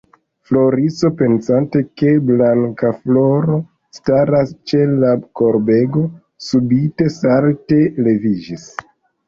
Floriso, pensante ke Blankafloro staras ĉe la korbego, subite salte leviĝis.